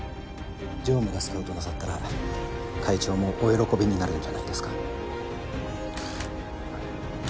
常務がスカウトなさったら会長もお喜びになるんじゃないですか？